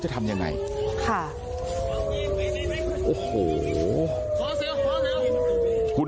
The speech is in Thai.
พวกมันกลับมาเมื่อเวลาที่สุดพวกมันกลับมาเมื่อเวลาที่สุด